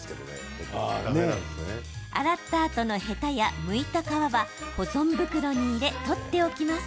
洗ったあとのヘタや、むいた皮は保存袋に入れ、取っておきます。